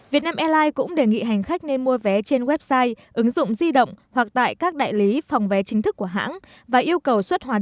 việt nam airlines cũng đề nghị hành khách nên mua vé trên website ứng dụng di động hoặc tại các đại lý phòng vé chính thức của hãng và yêu cầu xuất hóa đơn